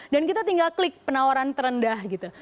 dan kita tinggal klik penawaran terendah gitu